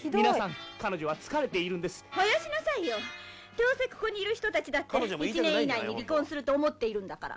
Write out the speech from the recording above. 「どうせここにいる人たちだって１年以内に離婚すると思っているんだから」